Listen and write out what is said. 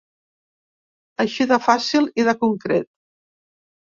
Així de fàcil i de concret.